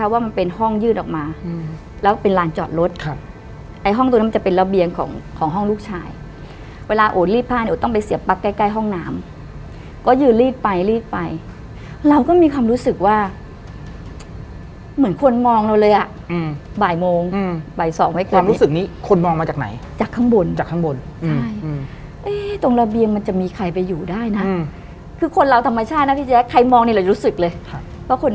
เวลาอ๋อรีดผ้าเนี้ยอ๋อต้องไปเสียปั๊กใกล้ใกล้ห้องน้ำก็ยืนรีดไปรีดไปเราก็มีคำรู้สึกว่าเหมือนคนมองเราเลยอ่ะอืมบ่ายโมงอืมบ่ายสองไว้กันคือความรู้สึกนี้คนมองมาจากไหนจากข้างบนจากข้างบนอืมใช่อืมเอ๊ะตรงระเบียงมันจะมีใครไปอยู่ได้น่ะอืมคือคนเราธรรมชาตินะพี่แจ๊คใครมองนี่เรารู้สึกเลย